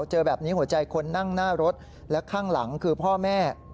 เจอแบบนี้หัวใจคนนั่งหน้ารถและข้างหลังคือพ่อแม่